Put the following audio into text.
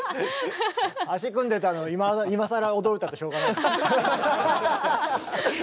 足組んでたのを今さら驚いたってしょうがない。